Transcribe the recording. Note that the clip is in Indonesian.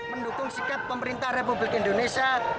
mendukung sikap pemerintah republik indonesia